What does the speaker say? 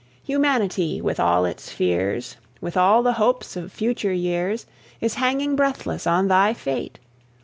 Humanity, with all its fears, With all the hopes of future years, Is hanging breathless on thy fate!